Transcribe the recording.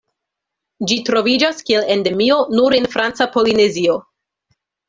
Ĝi troviĝas kiel endemio nur en Franca Polinezio.